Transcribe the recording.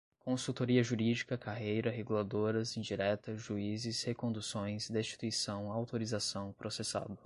consultoria jurídica, carreira, reguladoras, indireta, juízes, reconduções, destituição, autorização, processado